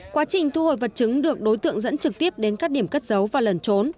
quá trình thu hồi vật chứng được đối tượng dẫn trực tiếp đến các điểm cất giấu và lẩn trốn